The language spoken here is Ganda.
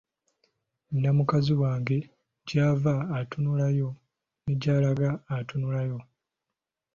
Nina mukazi wange gy’ava atunulayo ne gy’alaga atunulayo.